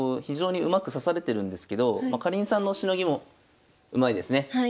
非常にうまく指されてるんですけどかりんさんのしのぎもうまいですね。